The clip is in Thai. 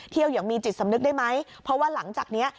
อย่างมีจิตสำนึกได้ไหมเพราะว่าหลังจากเนี้ย